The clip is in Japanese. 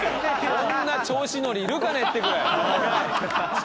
こんな調子乗りいるかね？ってぐらい。